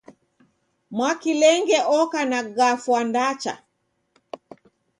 Mwakilenge oka na gafwa ndacha.